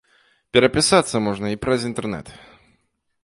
Перапісацца можна і праз інтэрнэт.